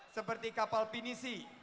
seperti kapal pinisi